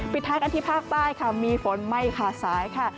ท้ายกันที่ภาคใต้ค่ะมีฝนไม่ขาดสายค่ะ